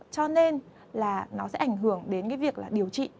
cho nên là nó sẽ ảnh hưởng đến cái việc là điều trị